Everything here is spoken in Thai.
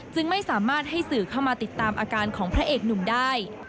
จึงไม่สามารถให้สื่อเข้ามาติดตามอาการของพระเอกหนุ่มได้